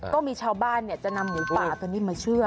ก็มีชาวบ้านจะนำหมูป่าตัวนี้มาเชื่อ